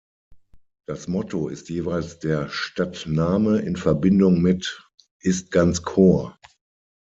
Das Motto ist jeweils der Stadtname in Verbindung mit „ist ganz Chor“.